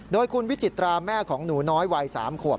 โดยคุณวิจิตราแม่ของหนูน้อยวัย๓ขวบ